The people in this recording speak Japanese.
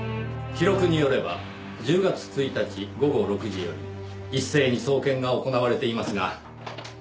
記録によれば１０月１日午後６時より一斉に捜検が行われていますが。